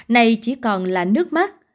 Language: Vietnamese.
này chỉ còn là nước mắt